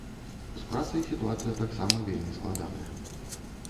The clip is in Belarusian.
З працай сітуацыя таксама вельмі складаная.